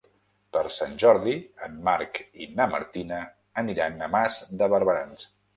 Per Sant Jordi en Marc i na Martina aniran a Mas de Barberans.